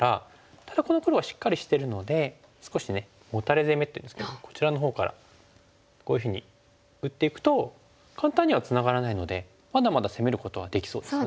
ただこの黒はしっかりしてるので少しモタレ攻めっていうんですけどもこちらのほうからこういうふうに打っていくと簡単にはツナがらないのでまだまだ攻めることはできそうですよね。